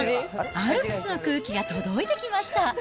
アルプスの空気が届いてきました。